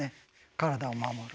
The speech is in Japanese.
体を守る。